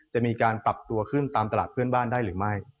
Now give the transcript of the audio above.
จะมีการปรับตัวขึ้นตามตลาดเพื่อนบ้านได้หรือไม่